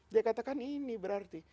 dia katakan ini berarti